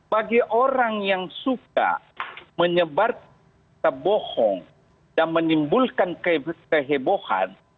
bagi orang yang suka menyebar kebohong dan menimbulkan kehebohan